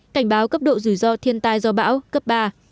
cảnh báo cấp độ rủi ro thiên tai do bão cấp ba